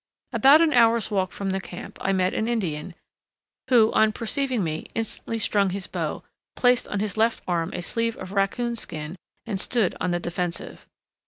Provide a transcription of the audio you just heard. About an hour's walk from the camp I met an Indian, who on perceiving me instantly strung his bow, placed on his left arm a sleeve of raccoon skin and stood on the defensive.